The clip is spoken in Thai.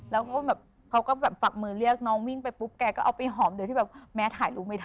แล้วก็แบบเขาก็แบบฝักมือเรียกน้องวิ่งไปปุ๊บแกก็เอาไปหอมโดยที่แบบแม้ถ่ายรูปไม่ได้